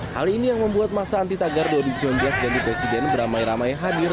hal ini yang membuat masa anti tagar dua ribu sembilan belas ganti presiden beramai ramai hadir